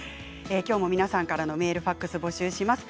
きょうも皆さんからのメールファックスを募集します。